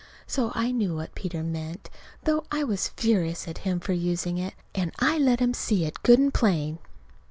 So I knew what Peter meant, though I was furious at him for using it. And I let him see it good and plain.